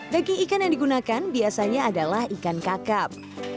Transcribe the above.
daging ikan yang digunakan biasanya adalah ikan kakap